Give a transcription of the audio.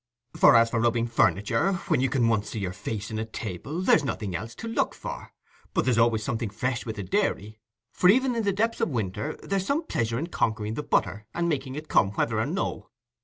For as for rubbing furniture, when you can once see your face in a table there's nothing else to look for; but there's always something fresh with the dairy; for even in the depths o' winter there's some pleasure in conquering the butter, and making it come whether or no.